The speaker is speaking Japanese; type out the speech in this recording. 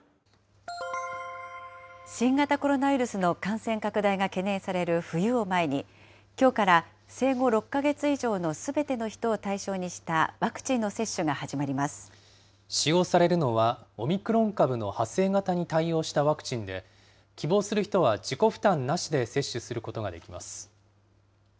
新型コロナウイルスの感染拡大が懸念される冬を前に、きょうから生後６か月以上のすべての人を対象にしたワクチンの接使用されるのは、オミクロン株の派生型に対応したワクチンで、希望する人は自己負担なしで接種することができます。